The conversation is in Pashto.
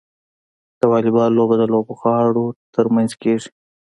د واليبال لوبه د لوبغاړو ترمنځ کیږي.